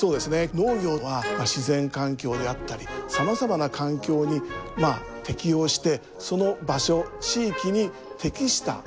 農業は自然環境であったりさまざまな環境に適応してその場所地域に適した食料生産が行われてきました。